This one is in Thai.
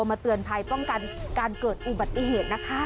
มาเตือนภัยป้องกันการเกิดอุบัติเหตุนะคะ